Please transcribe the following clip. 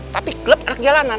tapi klub anak jalanan